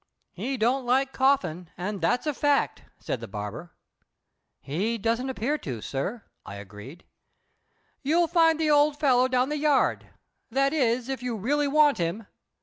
"He don't like Coffin, and that's a fact," said the barber. "He don't appear to, sir," I agreed. "You'll find the old fellow down the yard. That is, if you really want him."